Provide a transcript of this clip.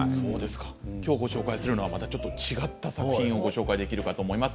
今日ご紹介するのは違った作品をご紹介するかと思います。